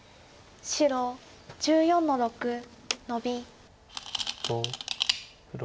白１４の六ノビ。